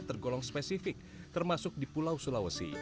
tergolong spesifik termasuk di pulau sulawesi